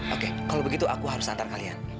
oke kalau begitu aku harus antar kalian